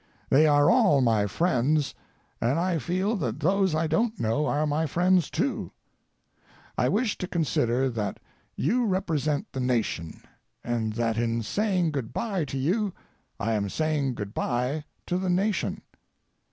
They are all my friends, and I feel that those I don't know are my friends, too. I wish to consider that you represent the nation, and that in saying good bye to you I am saying good bye to the nation.